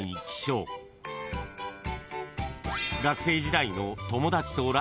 ［学生時代の］